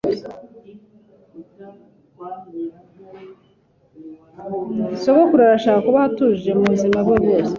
Sogokuru arashaka kubaho atuje ubuzima bwe bwose.